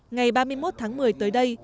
ngày ba mươi một tháng một mươi tới đó